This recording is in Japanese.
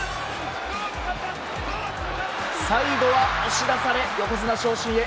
最後は、押し出され横綱昇進へ